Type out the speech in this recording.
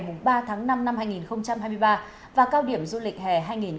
mùng ba tháng năm năm hai nghìn hai mươi ba và cao điểm du lịch hè hai nghìn hai mươi bốn